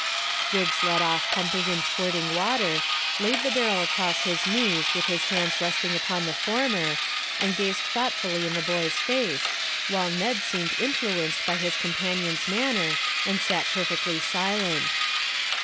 Griggs left off pumping and squirting water, laid the barrel across his knees with his hands resting upon the former, and gazed thoughtfully in the boy's face, while Ned seemed influenced by his companion's manner and sat perfectly silent.